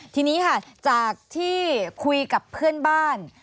ทีนี้ค่ะจากที่คุยกับเพื่อนบ้าน